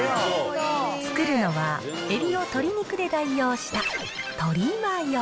作るのはエビを鶏肉で代用した、とりマヨ。